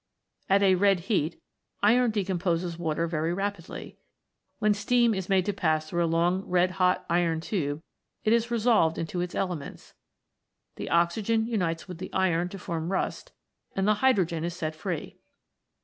At a red heat, iron de composes water very rapidly. When steam is made to pass through a long red hot iron tube it is re solved into its elements. The oxygen unites with the iron to form rust, and the hydrogen is set free.